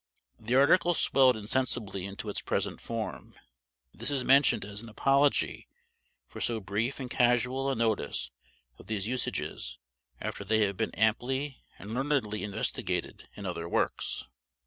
The article swelled insensibly into its present form, and this is mentioned as an apology for so brief and casual a notice of these usages after they have been amply and learnedly investigated in other works.